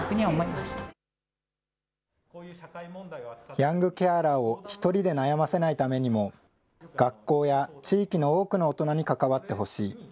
ヤングケアラーを１人で悩ませないためにも学校や地域の多くの大人に関わってほしい。